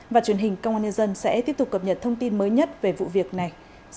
và truyền hình công an nhân dân sẽ tiếp tục cập nhật thông tin mới nhất về vụ việc này